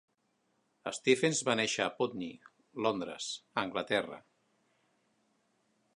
Stephens va néixer a Putney, Londres (Anglaterra).